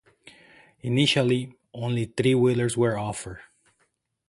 Initially, only three-wheelers were offered.